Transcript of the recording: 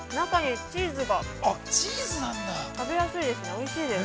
おいしいです。